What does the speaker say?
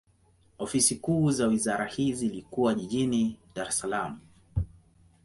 Ofisi kuu za wizara hii zilikuwa jijini Dar es Salaam.